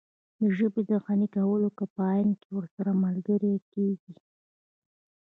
د ژبې د غني کولو کمپاین کې ورسره ملګری کیږم.